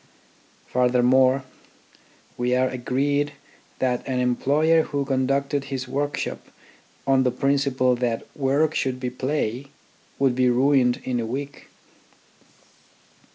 Furthermore, we are agreed that an employer who conducted his workshop on the principle that " work should be play " would be ruined in a week.